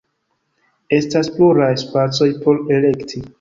Estas pluraj spacoj por elekti.